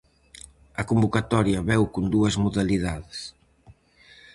A convocatoria veu con dúas modalidades: